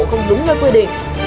không đúng với quy định